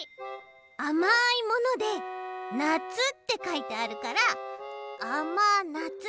あまいもので「なつ」ってかいてあるからあまなつ。